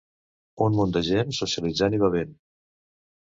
Un munt de gent socialitzant i bevent.